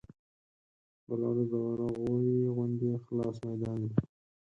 بله ورځ د ورغوي غوندې خلاص ميدان وي.